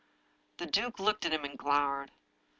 The duke looked at him and glowered.